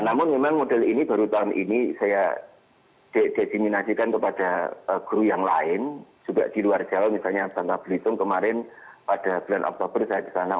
namun memang model ini baru tahun ini saya desiminasikan kepada guru yang lain juga di luar jawa misalnya bangka belitung kemarin pada bulan oktober saya kesana